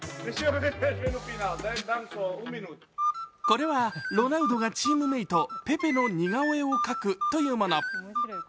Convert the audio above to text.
これは、ロナウドがチームメイト・ペペの似顔絵を描くというもの。